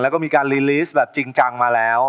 แล้วก็มีการลีลีสแบบจริงจังมาแล้ว